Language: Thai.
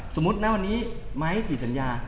สมมุตินะวันนี้ไม้ผิดสัญญา